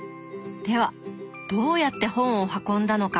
ではどうやって本を運んだのか。